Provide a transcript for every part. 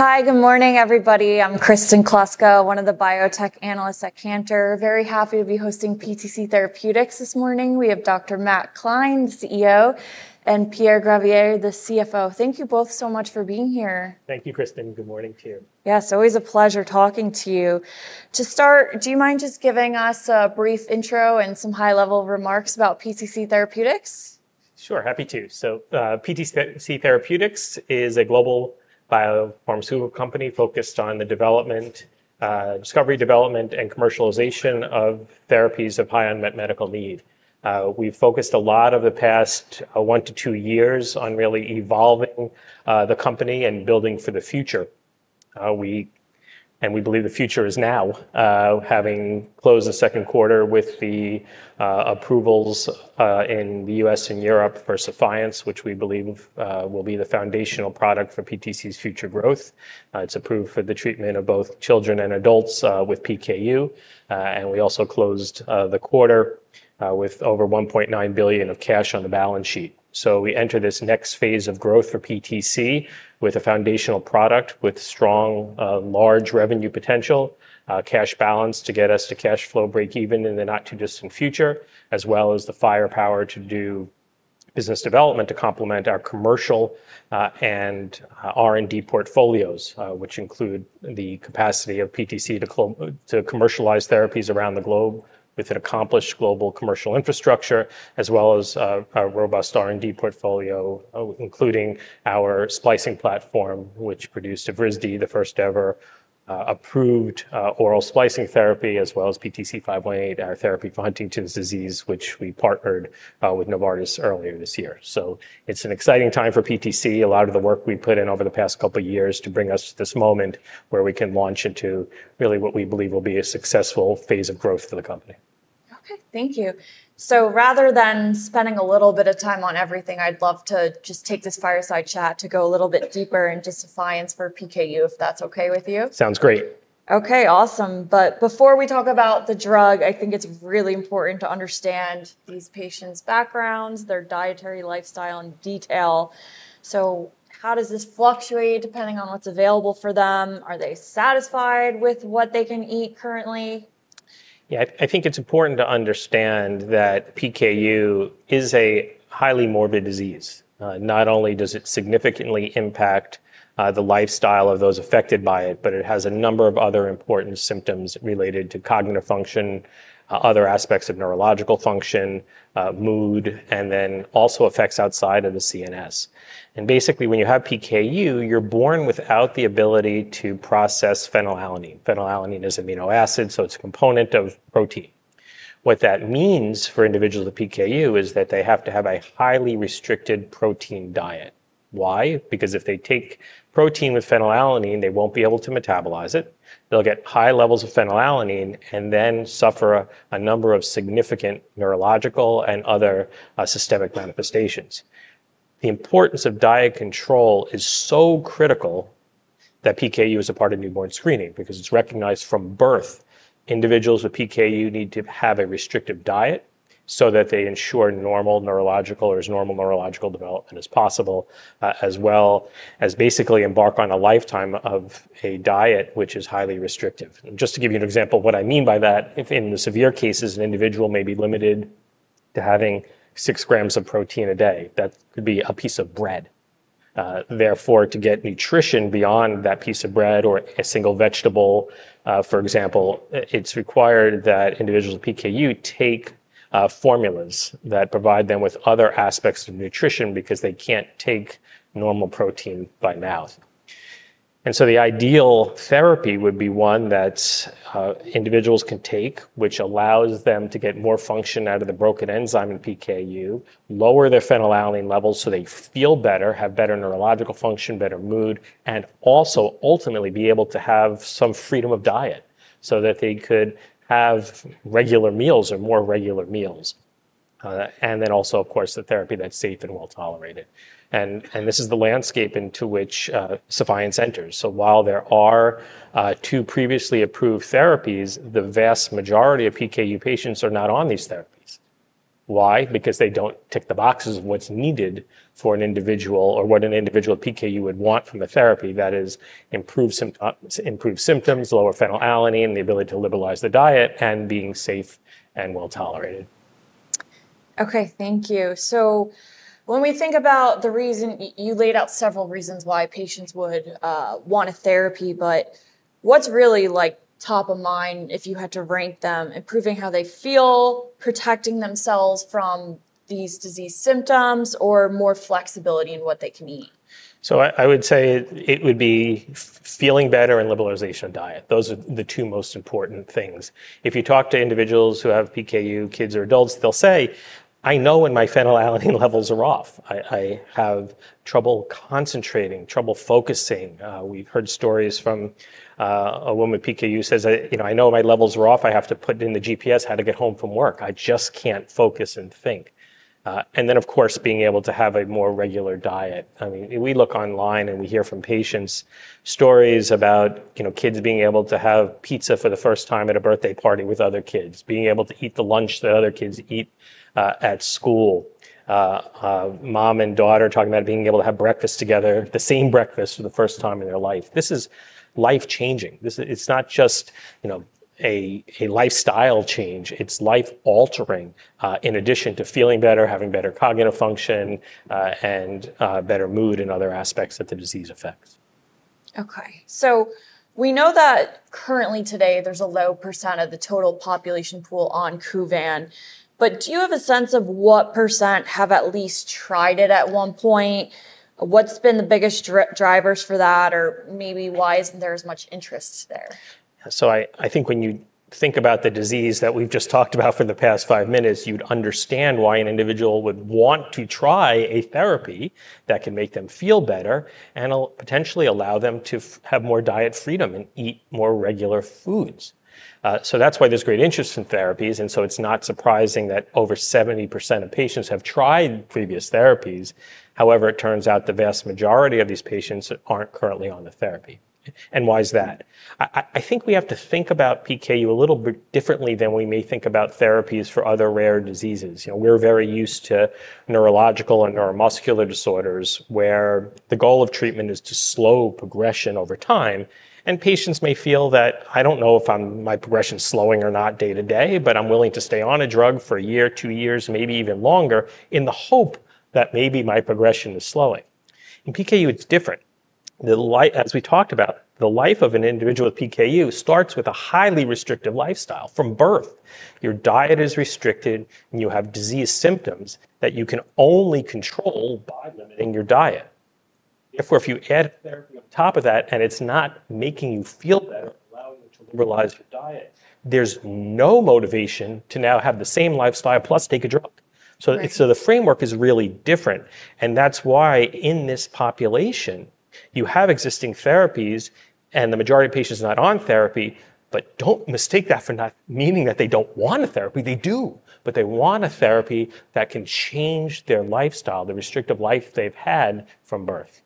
Hi, good morning everybody. I'm Kristen Kluska, one of the biotech analysts at Cantor. Very happy to be hosting PTC Therapeutics this morning. We have Dr. Matt Klein, the CEO, and Pierre Gravier, the CFO. Thank you both so much for being here. Thank you, Kristen. Good morning to you. Yes, always a pleasure talking to you. To start, do you mind just giving us a brief intro and some high-level remarks about PTC Therapeutics? Sure, happy to. PTC Therapeutics is a global biopharmaceutical company focused on the discovery, development, and commercialization of therapies of high unmet medical need. We've focused a lot over the past one to two years on really evolving the company and building for the future. We believe the future is now, having closed the second quarter with the approvals in the U.S. and Europe for Sephience, which we believe will be the foundational product for PTC's future growth. It's approved for the treatment of both children and adults with PKU. We also closed the quarter with over $1.9 billion of cash on the balance sheet. We enter this next phase of growth for PTC with a foundational product with strong, large revenue potential, a cash balance to get us to cash flow break even in the not-too-distant future, as well as the firepower to do business development to complement our commercial and R&D portfolios, which include the capacity of PTC to commercialize therapies around the globe with an accomplished global commercial infrastructure, as well as a robust R&D portfolio, including our splicing platform, which produced Evrysdi, the first ever approved oral splicing therapy, as well as PTC518, our therapy for Huntington's disease, which we partnered with Novartis earlier this year. It's an exciting time for PTC. A lot of the work we put in over the past couple of years has brought us to this moment where we can launch into what we believe will be a successful phase of growth for the company. Thank you. Rather than spending a little bit of time on everything, I'd love to just take this fireside chat to go a little bit deeper into Sephience for PKU, if that's okay with you. Sounds great. Okay, awesome. Before we talk about the drug, I think it's really important to understand these patients' backgrounds, their dietary lifestyle, and detail. How does this fluctuate depending on what's available for them? Are they satisfied with what they can eat currently? Yeah, I think it's important to understand that PKU is a highly morbid disease. Not only does it significantly impact the lifestyle of those affected by it, but it has a number of other important symptoms related to cognitive function, other aspects of neurological function, mood, and then also effects outside of the CNS. Basically, when you have PKU, you're born without the ability to process phenylalanine. Phenylalanine is an amino acid, so it's a component of protein. What that means for individuals with PKU is that they have to have a highly restricted protein diet. Why? Because if they take protein with phenylalanine, they won't be able to metabolize it. They'll get high levels of phenylalanine and then suffer a number of significant neurological and other systemic manifestations. The importance of diet control is so critical that PKU is a part of newborn screening because it's recognized from birth. Individuals with PKU need to have a restrictive diet so that they ensure normal neurological or as normal neurological development as possible, as well as basically embark on a lifetime of a diet which is highly restrictive. Just to give you an example of what I mean by that, if in the severe cases, an individual may be limited to having 6 g of protein a day, that could be a piece of bread. Therefore, to get nutrition beyond that piece of bread or a single vegetable, for example, it's required that individuals with PKU take formulas that provide them with other aspects of nutrition because they can't take normal protein by mouth. The ideal therapy would be one that individuals can take, which allows them to get more function out of the broken enzyme in PKU, lower their phenylalanine levels so they feel better, have better neurological function, better mood, and also ultimately be able to have some freedom of diet so that they could have regular meals or more regular meals. Of course, the therapy that's safe and well tolerated. This is the landscape into which Sephience enters. While there are two previously approved therapies, the vast majority of PKU patients are not on these therapies. Why? Because they don't tick the boxes of what's needed for an individual or what an individual with PKU would want from the therapy, that is improved symptoms, lower phenylalanine, the ability to liberalize the diet, and being safe and well tolerated. Thank you. When we think about the reason you laid out several reasons why patients would want a therapy, what's really top of mind if you had to rank them: improving how they feel, protecting themselves from these disease symptoms, or more flexibility in what they can eat? I would say it would be feeling better and liberalization of diet. Those are the two most important things. If you talk to individuals who have PKU, kids or adults, they'll say, "I know when my phenylalanine levels are off. I have trouble concentrating, trouble focusing." We've heard stories from a woman with PKU who says, "You know, I know my levels are off. I have to put it in the GPS how to get home from work. I just can't focus and think." Of course, being able to have a more regular diet. I mean, we look online and we hear from patients stories about kids being able to have pizza for the first time at a birthday party with other kids, being able to eat the lunch that other kids eat at school, mom and daughter talking about being able to have breakfast together, the same breakfast for the first time in their life. This is life-changing. It's not just a lifestyle change. It's life-altering, in addition to feeling better, having better cognitive function, and better mood and other aspects that the disease affects. Okay, so we know that currently today there's a low percent of the total population pool on Kuvan, but do you have a sense of what percent have at least tried it at one point? What's been the biggest drivers for that, or maybe why isn't there as much interest there? I think when you think about the disease that we've just talked about for the past five minutes, you'd understand why an individual would want to try a therapy that can make them feel better and potentially allow them to have more diet freedom and eat more regular foods. That's why there's great interest in therapies, and it's not surprising that over 70% of patients have tried previous therapies. However, it turns out the vast majority of these patients aren't currently on the therapy. Why is that? I think we have to think about PKU a little bit differently than we may think about therapies for other rare diseases. We're very used to neurological and neuromuscular disorders where the goal of treatment is to slow progression over time, and patients may feel that, "I don't know if my progression is slowing or not day to day, but I'm willing to stay on a drug for a year, two years, maybe even longer in the hope that maybe my progression is slowing." In PKU, it's different. As we talked about, the life of an individual with PKU starts with a highly restrictive lifestyle from birth. Your diet is restricted, and you have disease symptoms that you can only control by limiting your diet. Therefore, if you add to the top of that, and it's not making you feel better, liberalize with diet, there's no motivation to now have the same lifestyle plus take a drug. The framework is really different, and that's why in this population, you have existing therapies, and the majority of patients are not on therapy, but don't mistake that for not meaning that they don't want a therapy. They do, but they want a therapy that can change their lifestyle, the restrictive life they've had from birth.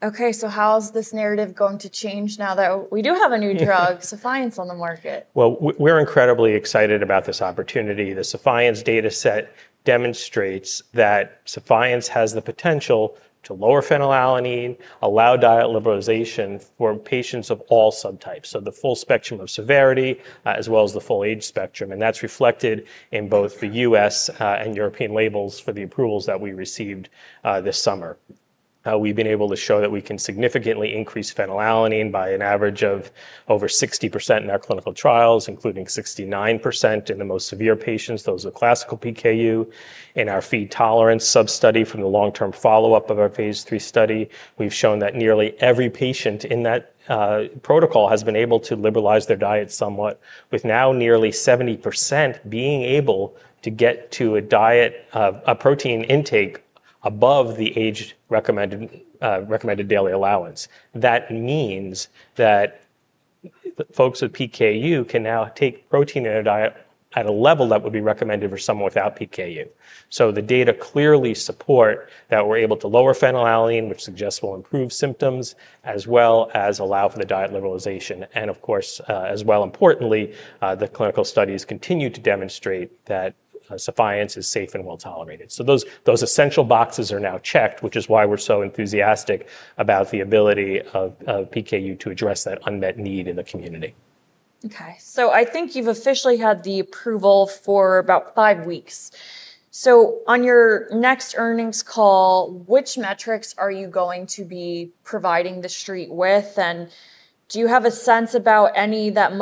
Okay, how's this narrative going to change now that we do have a new drug, Sephience, on the market? We're incredibly excited about this opportunity. The Sephience data set demonstrates that Sephience has the potential to lower phenylalanine, allow diet liberalization for patients of all subtypes, so the full spectrum of severity, as well as the full age spectrum, and that's reflected in both the U.S. and European labels for the approvals that we received this summer. We've been able to show that we can significantly increase phenylalanine intake by an average of over 60% in our clinical trials, including 69% in the most severe patients, those with classical PKU. In our feed tolerance sub-study from the long-term follow-up of our phase III study, we've shown that nearly every patient in that protocol has been able to liberalize their diet somewhat, with now nearly 70% being able to get to a diet, a protein intake above the age recommended daily allowance. That means that folks with PKU can now take protein in a diet at a level that would be recommended for someone without PKU. The data clearly support that we're able to lower phenylalanine, which suggests we'll improve symptoms, as well as allow for the diet liberalization, and, importantly, the clinical studies continue to demonstrate that Sephience is safe and well tolerated. Those essential boxes are now checked, which is why we're so enthusiastic about the ability of PKU to address that unmet need in the community. Okay, I think you've officially had the approval for about five weeks. On your next earnings call, which metrics are you going to be providing the street with, and do you have a sense about any that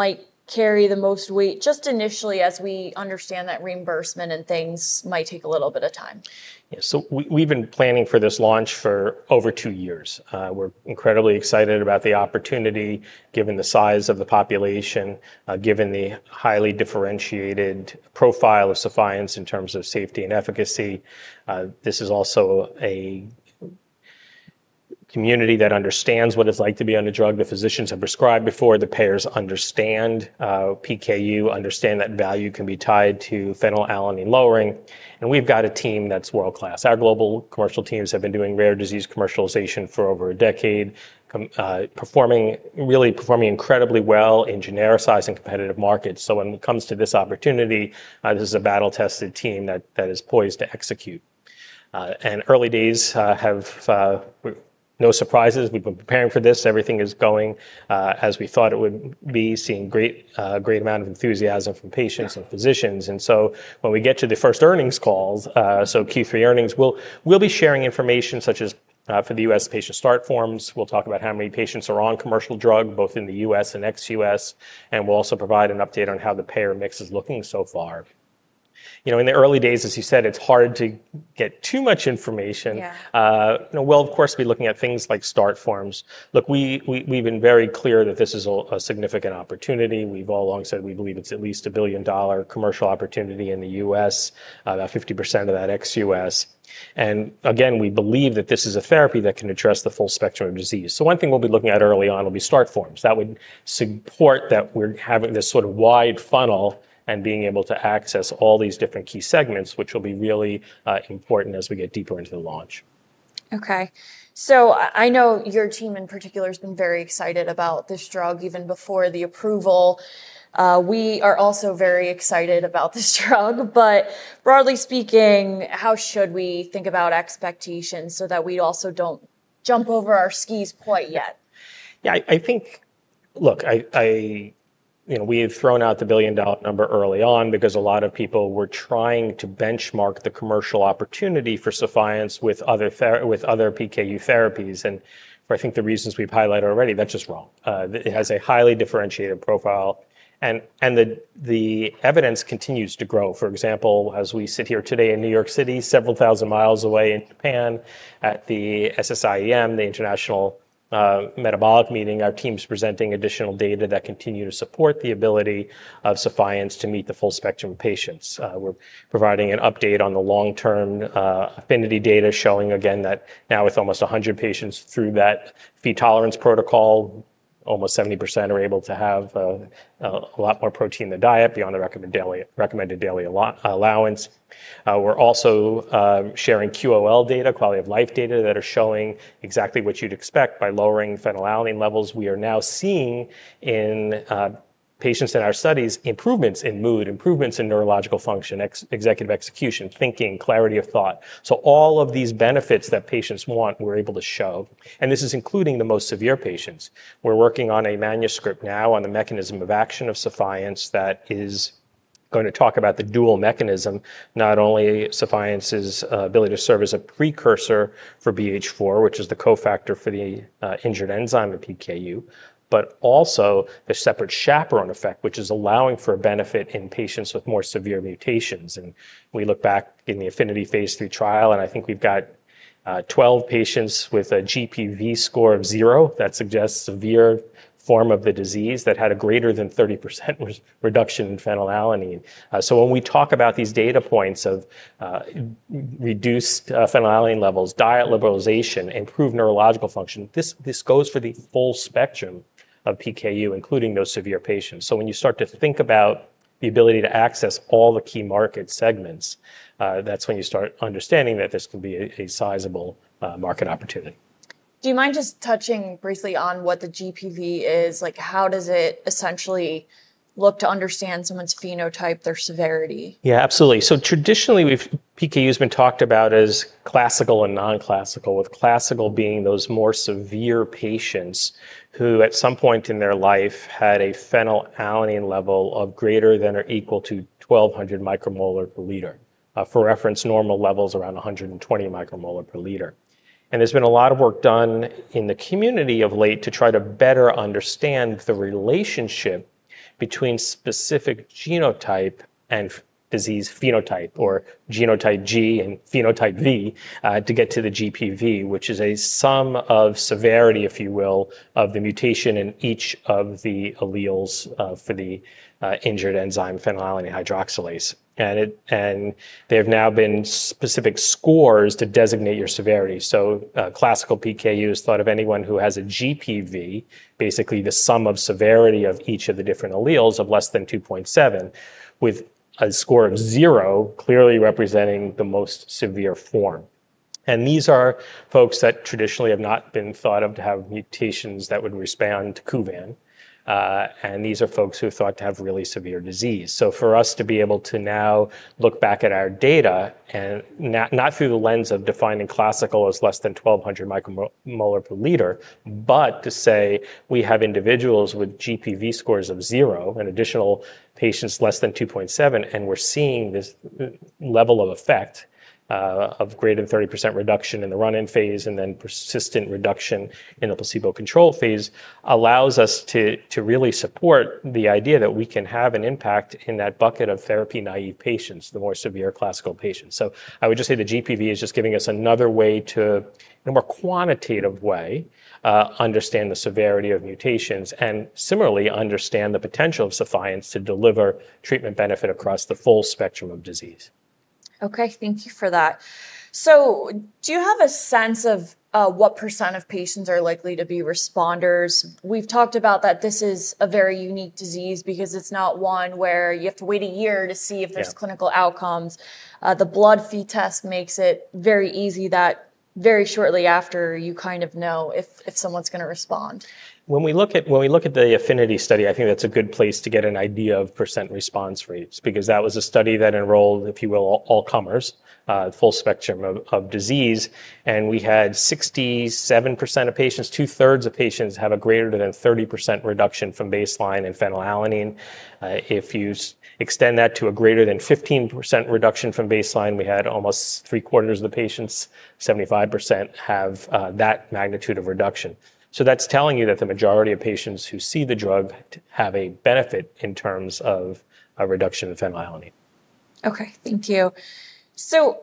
might carry the most weight just initially as we understand that reimbursement and things might take a little bit of time? Yeah, we've been planning for this launch for over two years. We're incredibly excited about the opportunity, given the size of the population and the highly differentiated profile of Sephience in terms of safety and efficacy. This is also a community that understands what it's like to be on a drug that physicians have prescribed before. The payers understand PKU, understand that value can be tied to phenylalanine lowering, and we've got a team that's world-class. Our global commercial teams have been doing rare disease commercialization for over a decade, performing really incredibly well in genericized and competitive markets. When it comes to this opportunity, this is a battle-tested team that is poised to execute. Early days have no surprises. We've been preparing for this. Everything is going as we thought it would be, seeing a great amount of enthusiasm from patients and physicians. When we get to the first earnings call, Q3 earnings, we'll be sharing information such as for the U.S. patient start forms. We'll talk about how many patients are on commercial drug, both in the U.S. and ex-U.S., and we'll also provide an update on how the payer mix is looking so far. In the early days, as you said, it's hard to get too much information. We'll, of course, be looking at things like start forms. We've been very clear that this is a significant opportunity. We've all long said we believe it's at least a $1 billion commercial opportunity in the U.S., about 50% of that ex-U.S. We believe that this is a therapy that can address the full spectrum of disease. One thing we'll be looking at early on will be start forms. That would support that we're having this sort of wide funnel and being able to access all these different key segments, which will be really important as we get deeper into the launch. Okay, I know your team in particular has been very excited about this drug even before the approval. We are also very excited about this drug, but broadly speaking, how should we think about expectations so that we also don't jump over our skis quite yet? Yeah, I think, look, we have thrown out the billion-dollar number early on because a lot of people were trying to benchmark the commercial opportunity for Sephience with other PKU therapies. I think the reasons we've highlighted already, that's just wrong. It has a highly differentiated profile, and the evidence continues to grow. For example, as we sit here today in New York City, several thousand miles away in Japan, at the SSIEM, the International Metabolic Meeting, our team is presenting additional data that continues to support the ability of Sephience to meet the full spectrum of patients. We're providing an update on the long-term affinity data, showing again that now with almost 100 patients through that feed tolerance protocol, almost 70% are able to have a lot more protein in the diet beyond the recommended daily allowance. We're also sharing QOL data, Quality of Life data, that are showing exactly what you'd expect by lowering phenylalanine levels. We are now seeing in patients in our studies improvements in mood, improvements in neurological function, executive execution, thinking, clarity of thought. All of these benefits that patients want, we're able to show, and this is including the most severe patients. We're working on a manuscript now on the mechanism of action of Sephience that is going to talk about the dual mechanism, not only Sephience's ability to serve as a precursor for BH4, which is the cofactor for the injured enzyme in PKU, but also a separate chaperone effect, which is allowing for a benefit in patients with more severe mutations. We look back in the affinity phase III trial, and I think we've got 12 patients with a GPV score of zero that suggests a severe form of the disease that had a greater than 30% reduction in phenylalanine. When we talk about these data points of reduced phenylalanine levels, diet liberalization, improved neurological function, this goes for the full spectrum of PKU, including those severe patients. When you start to think about the ability to access all the key market segments, that's when you start understanding that this can be a sizable market opportunity. Do you mind just touching briefly on what the GPV is? How does it essentially look to understand someone's phenotype, their severity? Yeah, absolutely. Traditionally, PKU has been talked about as classical and non-classical, with classical being those more severe patients who at some point in their life had a phenylalanine level of greater than or equal to 1,200 μmol/L. For reference, normal levels are around 120 μmol/L. There has been a lot of work done in the community of late to try to better understand the relationship between specific genotype and disease phenotype, or genotype G and phenotype V, to get to the GPV, which is a sum of severity, if you will, of the mutation in each of the alleles for the injured enzyme phenylalanine hydroxylase. There have now been specific scores to designate your severity. Classical PKU is thought of as anyone who has a GPV, basically the sum of severity of each of the different alleles, of less than 2.7, with a score of zero clearly representing the most severe form. These are folks that traditionally have not been thought of to have mutations that would respond to Kuvan. These are folks who are thought to have really severe disease. For us to be able to now look back at our data, and not through the lens of defining classical as less than 1,200 μmol/L, but to say we have individuals with GPV scores of zero and additional patients less than 2.7, and we're seeing this level of effect, of greater than 30% reduction in the run-in phase and then persistent reduction in the placebo- control phase, allows us to really support the idea that we can have an impact in that bucket of therapy-naive patients, the more severe classical patients. I would just say the GPV is just giving us another way to, in a more quantitative way, understand the severity of mutations and similarly understand the potential of Sephience to deliver treatment benefit across the full spectrum of disease. Thank you for that. Do you have a sense of what percent of patients are likely to be responders? We've talked about that this is a very unique disease because it's not one where you have to wait a year to see if there's clinical outcomes. The blood feed test makes it very easy that very shortly after you kind of know if someone's going to respond. When we look at the affinity study, I think that's a good place to get an idea of percent response rates because that was a study that enrolled, if you will, all comers, full spectrum of disease. We had 67% of patients, 2/3 of patients, have a greater than 30% reduction from baseline in phenylalanine. If you extend that to a greater than 15% reduction from baseline, we had almost 3/4 of the patients, 75%, have that magnitude of reduction. That is telling you that the majority of patients who see the drug have a benefit in terms of a reduction in phenylalanine. Thank you.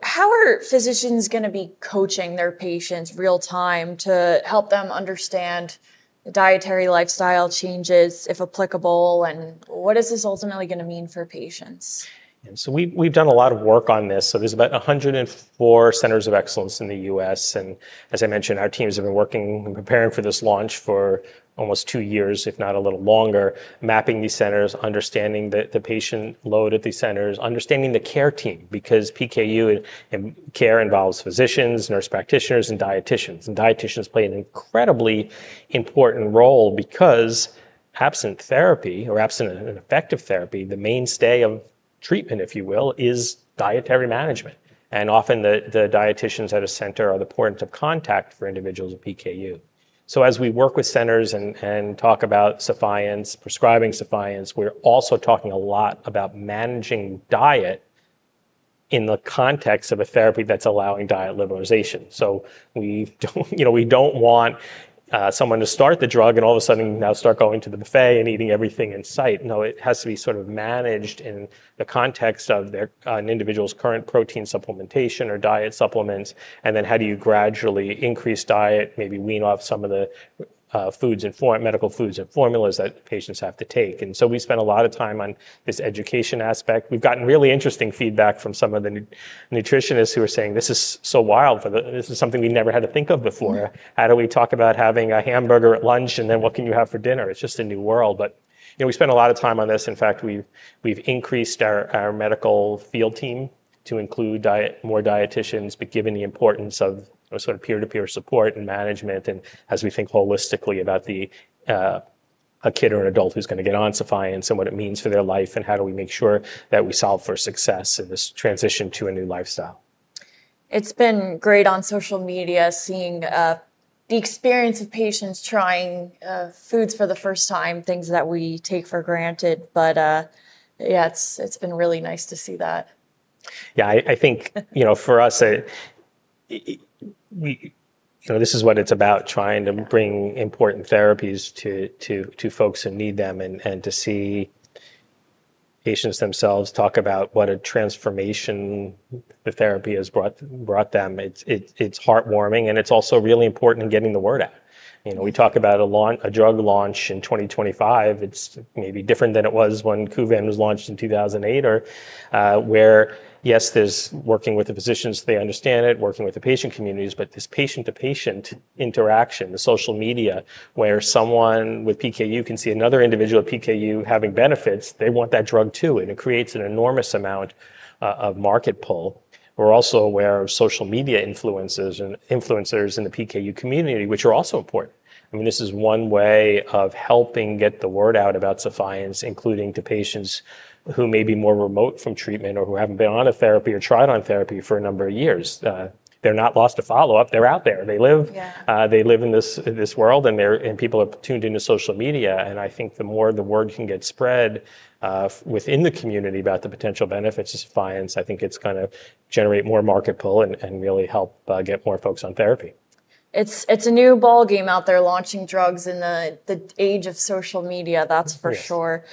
How are physicians going to be coaching their patients in real time to help them understand the dietary lifestyle changes, if applicable, and what is this ultimately going to mean for patients? Yeah, we've done a lot of work on this. There are about 104 centers of excellence in the U.S., and as I mentioned, our teams have been working and preparing for this launch for almost two years, if not a little longer, mapping these centers, understanding the patient load at these centers, understanding the care team because PKU and care involves physicians, nurse practitioners, and dieticians. Dieticians play an incredibly important role because absent therapy or absent an effective therapy, the mainstay of treatment, if you will, is dietary management. Often, the dieticians at a center are the point of contact for individuals with PKU. As we work with centers and talk about Sephience, prescribing Sephience, we're also talking a lot about managing diet in the context of a therapy that's allowing diet liberalization. We don't want someone to start the drug and all of a sudden now start going to the buffet and eating everything in sight. It has to be managed in the context of an individual's current protein supplementation or diet supplements, and then how do you gradually increase diet, maybe wean off some of the foods and medical foods and formulas that patients have to take. We spend a lot of time on this education aspect. We've gotten really interesting feedback from some of the nutritionists who are saying this is so wild for them. This is something we never had to think of before. How do we talk about having a hamburger at lunch and then what can you have for dinner? It's just a new world. We spend a lot of time on this. In fact, we've increased our medical field team to include more dieticians, given the importance of peer-to-peer support and management, and as we think holistically about a kid or an adult who's going to get on Sephience and what it means for their life, and how do we make sure that we solve for success in this transition to a new lifestyle. It's been great on social media seeing the experience of patients trying foods for the first time, things that we take for granted. It's been really nice to see that. Yeah, I think for us, this is what it's about, trying to bring important therapies to folks who need them and to see patients themselves talk about what a transformation the therapy has brought them. It's heartwarming, and it's also really important in getting the word out. We talk about a drug launch in 2025. It's maybe different than it was when Kuvan was launched in 2008, where, yes, there's working with the physicians so they understand it, working with the patient communities, but this patient-to-patient interaction, the social media, where someone with PKU can see another individual with PKU having benefits, they want that drug too, and it creates an enormous amount of market pull. We're also aware of social media influencers and influencers in the PKU community, which are also important. I mean, this is one way of helping get the word out about Sephience, including to patients who may be more remote from treatment or who haven't been on a therapy or tried on therapy for a number of years. They're not lost to follow up. They're out there. They live in this world, and people have tuned into social media, and I think the more the word can get spread within the community about the potential benefits of Sephience, I think it's going to generate more market pull and really help get more folks on therapy. It's a new ballgame out there, launching drugs in the age of social media, that's for sure.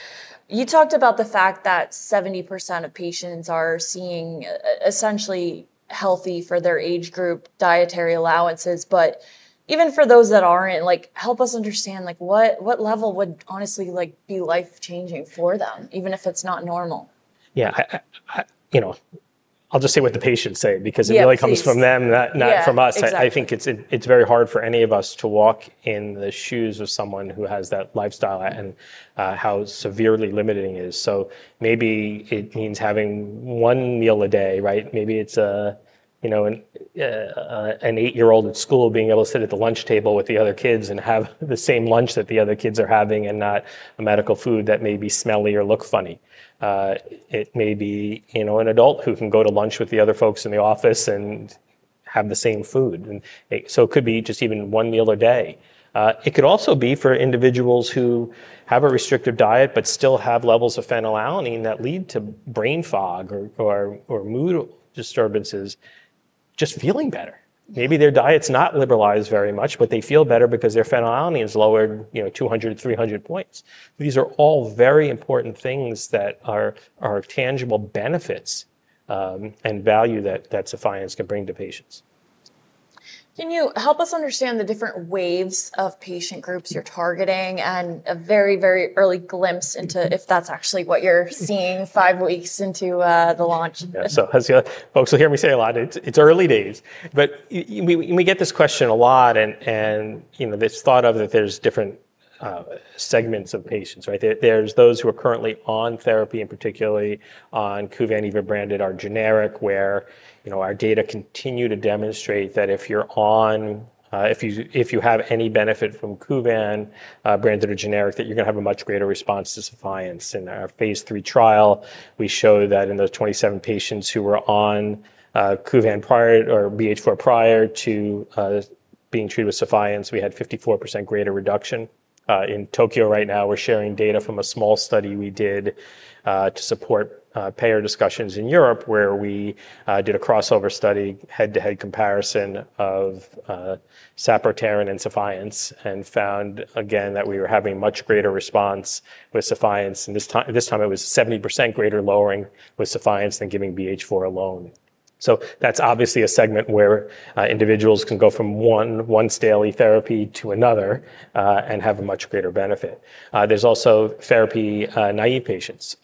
You talked about the fact that 70% of patients are seeing essentially healthy for their age group dietary allowances, but even for those that aren't, help us understand what level would honestly be life-changing for them, even if it's not normal? Yeah, you know, I'll just say what the patients say because it really comes from them, not from us. I think it's very hard for any of us to walk in the shoes of someone who has that lifestyle and how severely limiting it is. Maybe it means having one meal a day, right? Maybe it's a, you know, an eight-year-old at school being able to sit at the lunch table with the other kids and have the same lunch that the other kids are having and not a medical food that may be smelly or look funny. It may be, you know, an adult who can go to lunch with the other folks in the office and have the same food. It could be just even one meal a day. It could also be for individuals who have a restrictive diet but still have levels of phenylalanine that lead to brain fog or mood disturbances, just feeling better. Maybe their diet's not liberalized very much, but they feel better because their phenylalanine is lowered, you know, 200, 300 points. These are all very important things that are tangible benefits and value that Sephience can bring to patients. Can you help us understand the different waves of patient groups you're targeting, and a very, very early glimpse into if that's actually what you're seeing five weeks into the launch? Yeah, so folks will hear me say a lot, it's early days, but we get this question a lot, and you know, this thought of that there's different segments of patients, right? There's those who are currently on therapy and particularly on Kuvan, even branded or generic, where you know our data continue to demonstrate that if you're on, if you have any benefit from Kuvan, branded or generic, that you're going to have a much greater response to Sephience. In our phase III trial, we showed that in those 27 patients who were on Kuvan prior or BH4 prior to being treated with Sephience, we had 54% greater reduction. In Tokyo right now, we're sharing data from a small study we did to support payer discussions in Europe where we did a crossover study, head-to-head comparison of sapropterin and Sephience, and found again that we were having much greater response with Sephience. This time, it was 70% greater lowering with Sephience than giving BH4 alone. That's obviously a segment where individuals can go from one once daily therapy to another and have a much greater benefit. There's also therapy-naive patients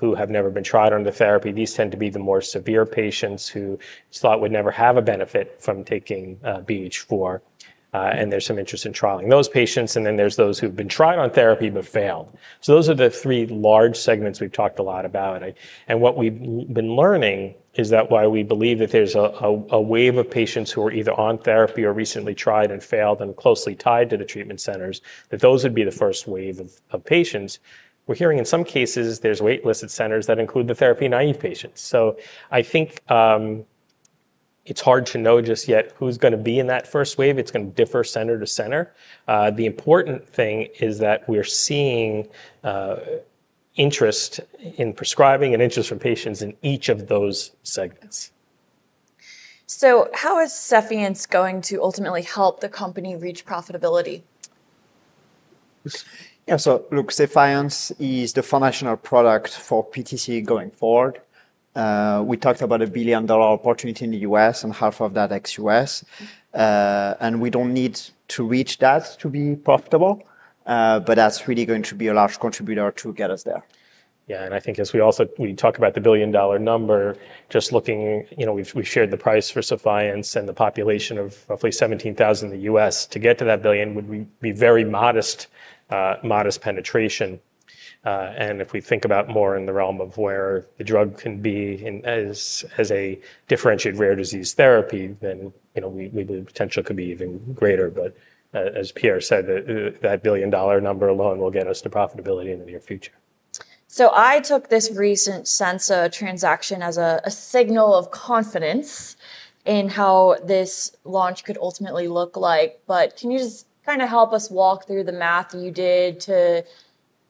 who have never been tried on the therapy. These tend to be the more severe patients who thought would never have a benefit from taking BH4, and there's some interest in trialing those patients, and then there's those who've been tried on therapy but failed. Those are the three large segments we've talked a lot about, and what we've been learning is that why we believe that there's a wave of patients who are either on therapy or recently tried and failed and closely tied to the treatment centers, that those would be the first wave of patients. We're hearing in some cases there's wait-listed centers that include the therapy-naive patients. I think it's hard to know just yet who's going to be in that first wave. It's going to differ center- to- center. The important thing is that we're seeing interest in prescribing and interest from patients in each of those segments. How is Sephience going to ultimately help the company reach profitability? Yeah, look, Sephience is the foundational product for PTC going forward. We talked about a $1 billion opportunity in the U.S. and $500 million of that ex-U.S., and we don't need to reach that to be profitable, but that's really going to be a large contributor to get us there. I think as we also talk about the billion-dollar number, just looking, you know, we've shared the price for Sephience and the population of roughly 17,000 in the U.S. To get to that billion, it would be very modest, modest penetration, and if we think about more in the realm of where the drug can be as a differentiated rare disease therapy, then, you know, we believe the potential could be even greater. As Pierre said, that billion-dollar number alone will get us to profitability in the near future. I took this recent Censa transaction as a signal of confidence in how this launch could ultimately look, but can you just help us walk through the math you did to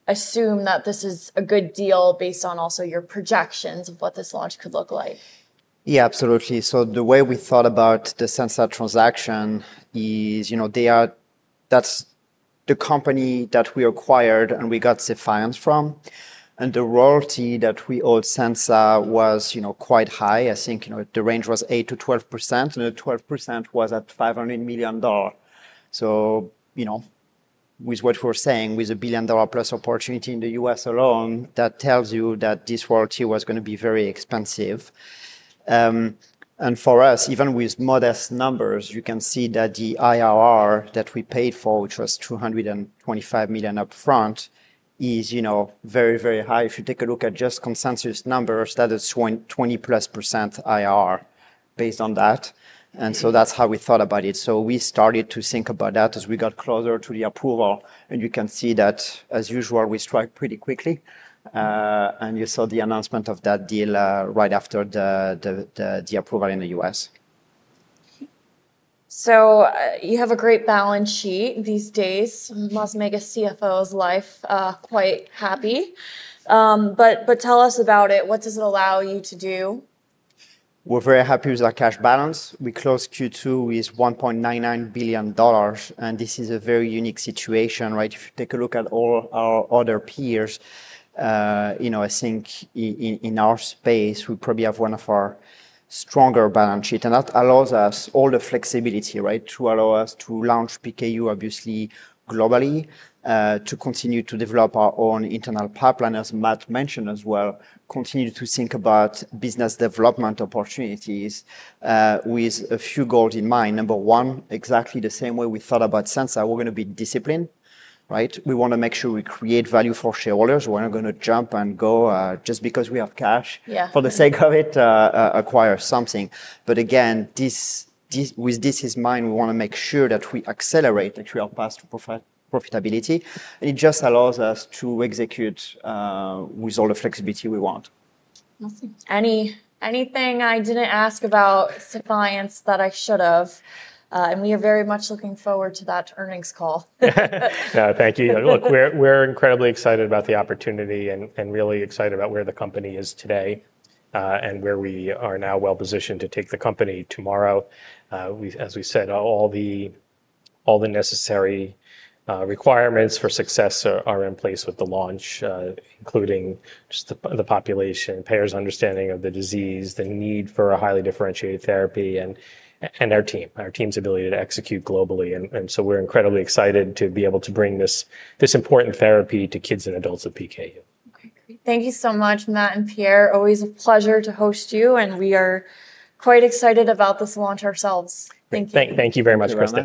assume that this is a good deal based on also your projections of what this launch could look like? Yeah, absolutely. The way we thought about the Censa transaction is, you know, that's the company that we acquired and we got Sephience from, and the royalty that we owed Censa was, you know, quite high. I think the range was 8%- 12%, and the 12% was at $500 million. With what we're saying, with a billion-dollar plus opportunity in the U.S. alone, that tells you that this royalty was going to be very expensive. For us, even with modest numbers, you can see that the IRR that we paid for, which was $225 million upfront, is, you know, very, very high. If you take a look at just consensus numbers, that is 20%+ IRR based on that. That's how we thought about it. We started to think about that as we got closer to the approval, and you can see that, as usual, we strike pretty quickly. You saw the announcement of that deal right after the approval in the U.S. You have a great balance sheet these days, must make a CFO's life, quite happy. Tell us about it. What does it allow you to do? We're very happy with our cash balance. We closed Q2 with $1.99 billion, and this is a very unique situation, right? If you take a look at all our other peers, I think in our space, we probably have one of our stronger balance sheets, and that allows us all the flexibility, right, to allow us to launch PKU, obviously, globally, to continue to develop our own internal pipeline, as Matt mentioned as well, continue to think about business development opportunities with a few goals in mind. Number one, exactly the same way we thought about Censa, we're going to be disciplined, right? We want to make sure we create value for shareholders. We're not going to jump and go just because we have cash for the sake of it, acquire something. Again, with this in mind, we want to make sure that we accelerate, that we are past profitability, and it just allows us to execute with all the flexibility we want. Anything I didn't ask about Sephience that I should have? We are very much looking forward to that earnings call. Thank you. Look, we're incredibly excited about the opportunity and really excited about where the company is today and where we are now well positioned to take the company tomorrow. As we said, all the necessary requirements for success are in place with the launch, including just the population, payers' understanding of the disease, the need for a highly differentiated therapy, and our team, our team's ability to execute globally. We're incredibly excited to be able to bring this important therapy to kids and adults with PKU. Thank you so much, Matt and Pierre. Always a pleasure to host you, and we are quite excited about this launch ourselves. Thank you. Thank you very much, Kristen.